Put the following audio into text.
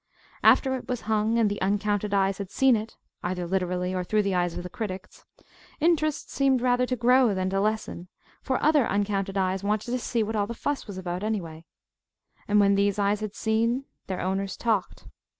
After it was hung, and the uncounted eyes had seen it either literally, or through the eyes of the critics interest seemed rather to grow than to lessen, for other uncounted eyes wanted to see what all the fuss was about, anyway. And when these eyes had seen, their owners talked.